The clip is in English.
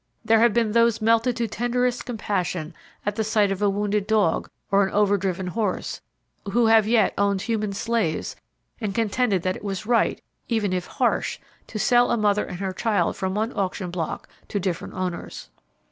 There have been those melted to tenderest compassion at the sight of a wounded dog or an overdriven horse, who have yet owned human slaves and contended that it was right, even if harsh, to sell a mother and her child from one auction block to different owners.